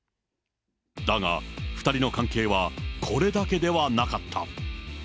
だが、２人の関係はこれだけではなかった。